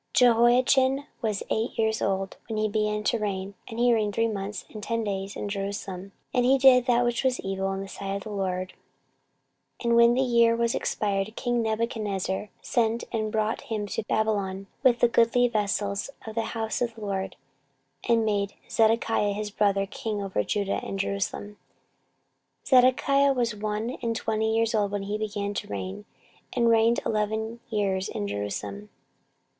14:036:009 Jehoiachin was eight years old when he began to reign, and he reigned three months and ten days in Jerusalem: and he did that which was evil in the sight of the LORD. 14:036:010 And when the year was expired, king Nebuchadnezzar sent, and brought him to Babylon, with the goodly vessels of the house of the LORD, and made Zedekiah his brother king over Judah and Jerusalem. 14:036:011 Zedekiah was one and twenty years old when he began to reign, and reigned eleven years in Jerusalem.